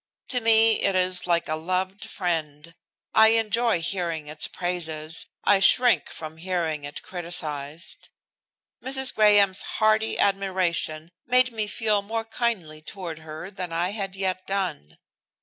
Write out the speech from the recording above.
To me it is like a loved friend. I enjoy hearing its praises, I shrink from hearing it criticised. Mrs. Graham's hearty admiration made me feel more kindly toward her than I had yet done.